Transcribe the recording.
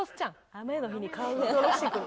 雨の日に革靴おろしてくる。